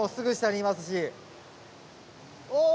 お！